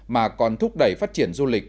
mà còn thúc đẩy phát triển du lịch